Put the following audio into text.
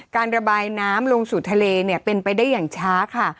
การระบายน้ำลงสู่ทะเลเนี่ยเป็นไปได้อย่างช้าค่ะ